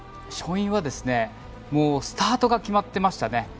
勝因はスタートが決まってましたね。